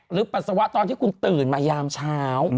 ปัสสาวะตอนที่คุณตื่นมายามเช้า